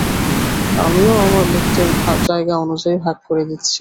আমিও আমার লোকদের জায়গা অনুযায়ী ভাগ করে দিচ্ছি।